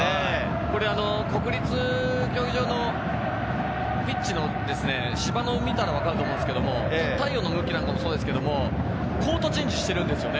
国立競技場のピッチ、芝を見たら分かるんですけれど、太陽の向きもそうですが、コートチェンジしているんですよね。